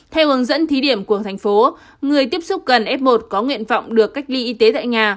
theo hướng dẫn thí điểm của thành phố người tiếp xúc gần f một có nguyện vọng được cách ly y tế tại nhà